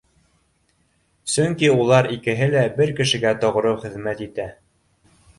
Сөнки улар икеһе лә бер кешегә тоғро хеҙмәт итә